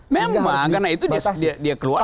memang karena itu dia keluar